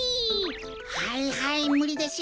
はいはいむりですよね。